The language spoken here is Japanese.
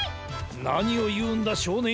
なにをいうんだしょうねんよ。